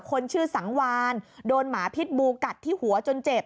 คนชื่อสังวานโดนหมาพิษบูกัดที่หัวจนเจ็บ